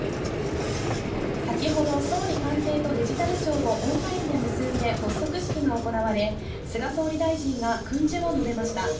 先ほど、総理官邸とデジタル庁をオンラインで結んで発足式が行われ、菅総理大臣が訓辞を述べました。